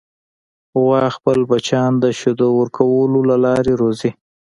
غوا خپل بچیان د شیدو ورکولو له لارې روزي.